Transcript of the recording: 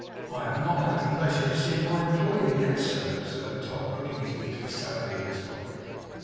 'I have not had the pleasure of seeing my employer yet, sir,' observed Tom, putting his week's salary in his pocket.